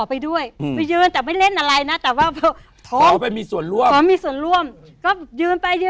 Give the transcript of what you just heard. ประมาณสัก๕โมงเนี่ย